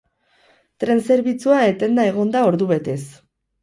Tren zerbitzua etenda egon da ordubetez.